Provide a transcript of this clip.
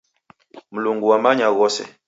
Mlungu wamanya ghose.